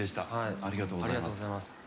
ありがとうございます。